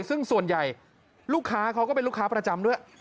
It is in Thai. ซึ่งส่วนใหญ่ลูกค้าเขาก็เป็นลูกค้าประจำด้วย